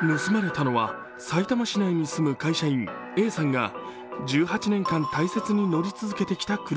盗まれたのはさいたま市内に住む会社員Ａさんが１８年間大切に乗り続けてきた車。